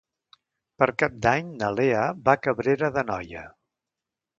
Per Cap d'Any na Lea va a Cabrera d'Anoia.